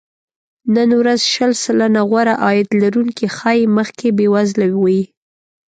نن ورځ شل سلنه غوره عاید لرونکي ښايي مخکې بې وزله وي